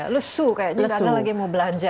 lesu kayaknya tidak ada lagi yang mau belanja